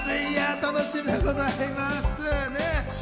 楽しみでございます。